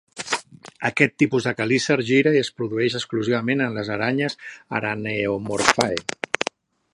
Aquest tipus de quelícer gira i es produeix exclusivament en les aranyes Araneomorphae.